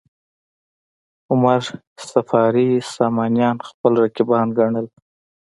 عمر صفاري سامانیان خپل رقیبان ګڼل.